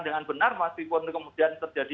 dengan benar masih pun kemudian terjadi